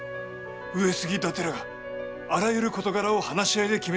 上杉伊達らがあらゆる事柄を話し合いで決めてゆくのです。